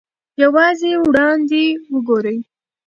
یوازې وړاندې وګورئ.